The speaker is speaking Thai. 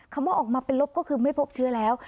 คำว่าออกมาเป็นลบก็คือไม่พบเชื้อแล้ว